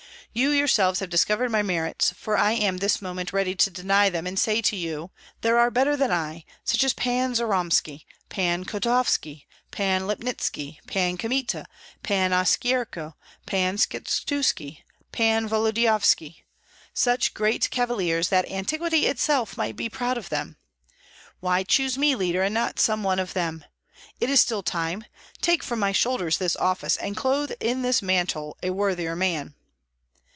You yourselves have discovered my merits, for I am this moment ready to deny them, and to say to you: There are better than I, such as Pan Jyromski, Pan Kotovski, Pan Lipnitski, Pan Kmita, Pan Oskyerko, Pan Skshetuski, Pan Volodyovski, such great cavaliers that antiquity itself might be proud of them. Why choose me leader, and not some one of them? It is still time. Take from my shoulders this office, and clothe in this mantle a worthier man!"